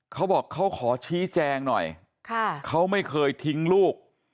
เขาบอกเขาขอชี้แจงหน่อยเขาไม่เคยทิ้งลูก